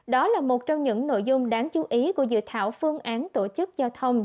đó là một trong những nội dung đáng chú ý của dự thảo phương án tổ chức giao thông